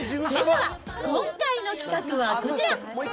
それでは今回の企画はこちら。